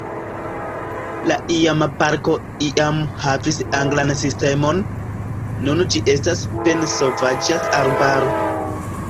La iama parko iam havis anglan sistemon, nun ĝi estas pene sovaĝa arbaro.